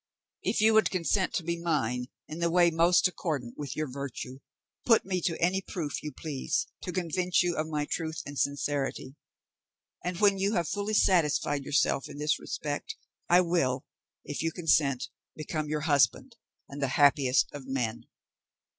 If you would consent to be mine in the way most accordant with your virtue, put me to any proof you please, to convince you of my truth and sincerity; and when you have fully satisfied yourself in this respect, I will, if you consent, become your husband, and the happiest of men.